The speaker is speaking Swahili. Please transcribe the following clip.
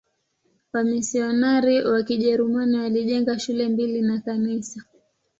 Wamisionari wa Kijerumani walijenga shule mbili na kanisa.